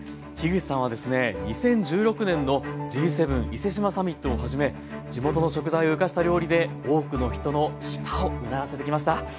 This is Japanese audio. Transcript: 口さんはですね２０１６年のＧ７伊勢志摩サミットをはじめ地元の食材を生かした料理で多くの人の舌をうならせてきました。